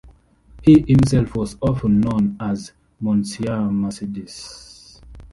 He himself was often known as "Monsieur Mercedes".